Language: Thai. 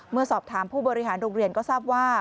เมื่อสอบถามผู้บริหารโรงเรียนก็ทราบว่า